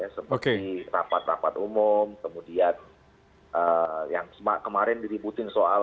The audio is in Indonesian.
seperti rapat rapat umum kemudian yang kemarin diributin soal